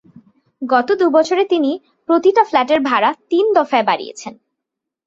গত দুবছরে তিনি প্রতিটা ফ্লাটের ভাড়া তিন দফায় বাড়িয়েছেন।